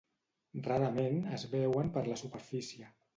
Rarament es veuen per la superfície.